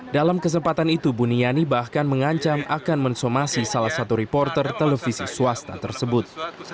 dalam kesempatan itu buniani bahkan mengancam akan mensomasi salah satu reporter televisi swasta tersebut